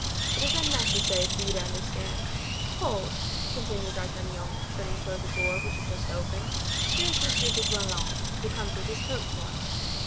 "It is unnecessary for you to understand. Hold," continued D'Artagnan, turning toward the door, which had just opened, "here is Monsieur du Vallon, who comes with his coat torn."